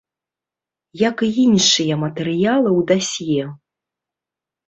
Як і іншыя матэрыялы ў дасье.